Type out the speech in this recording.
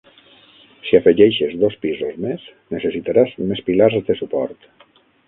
Si afegeixes dos pisos més, necessitaràs més pilars de suport.